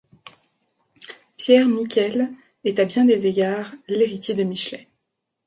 Pierre Miquel est à bien des égards l'héritier de Michelet.